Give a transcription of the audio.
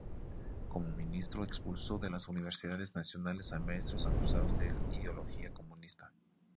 Como ministro expulsó de las universidades nacionales a maestros acusados de ideología comunista.